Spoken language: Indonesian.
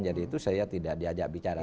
jadi itu saya tidak diajak bicara